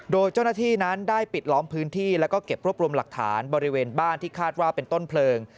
โดยเจ้าหน้าที่นั้นได้ปิดล้อมพื้นที่แล้วก็เก็บรวบรวมหลักฐานบริเวณบ้านที่คาดว่าเป็นต้นเพลิง